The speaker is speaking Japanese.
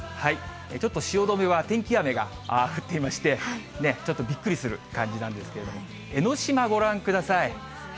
ちょっと汐留は天気雨が降っていまして、ちょっとびっくりする感じなんですけれども、江の島、ご覧ください。